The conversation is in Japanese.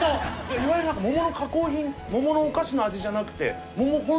いわゆる桃の加工品桃のお菓子の味じゃなくて。